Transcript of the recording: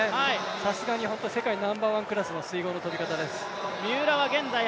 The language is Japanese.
さすがに、世界ナンバーワンクラスの水濠の飛び方です。